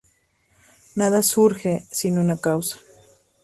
Nada surge sin una causa.